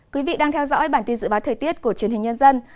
quý vị đang theo dõi bản tin dự báo thời tiết của truyền hình nhân dân